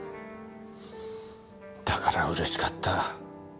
だからうれしかった。